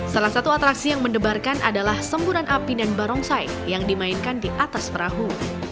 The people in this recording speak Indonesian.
salah satu atraksi yang mendebarkan adalah semburan api dan barongsai yang dimainkan di atas perahu